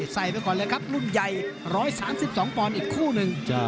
ไปก่อนเลยครับรุ่นใหญ่๑๓๒ปอนด์อีกคู่หนึ่ง